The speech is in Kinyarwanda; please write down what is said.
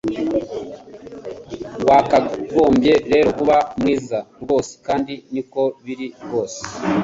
Wakagombye rero kuba mwiza rwose kandi niko biri rwose